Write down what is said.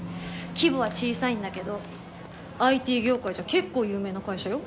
規模は小さいんだけどＩＴ業界じゃ結構有名な会社よ。